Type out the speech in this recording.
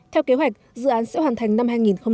theo kế hoạch dự án sẽ hoàn thành năm hai nghìn hai mươi